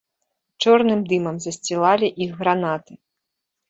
Чорным дымам засцілалі іх гранаты.